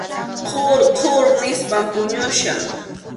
Qhur qhur nispam puñuchkan.